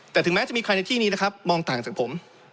แต่ถึงแม้จะมีใครในที่นี้นะครับมองต่างจากผม